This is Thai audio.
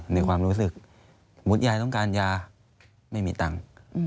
ในความรู้สึกมุติยายต้องการยาไม่มีตังค์